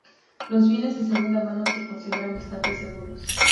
Los bienes de segunda mano se consideran bastante seguros.